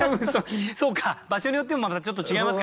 そうか場所によってもまたちょっと違いますからね。